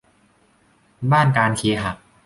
บ้านการเคหะ